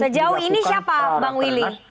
sejauh ini siapa bang willy